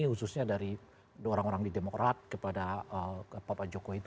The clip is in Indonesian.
khususnya dari orang orang di demokrat kepada bapak jokowi itu